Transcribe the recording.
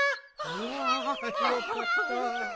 あよかった。